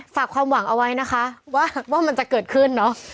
ฝากความหวังเอาไว้นะคะว่ามันจะเกิดขึ้นเนอะ